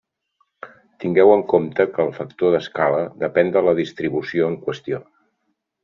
Tingueu en compte que el factor d'escala depèn de la distribució en qüestió.